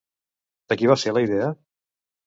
De qui va ser la idea?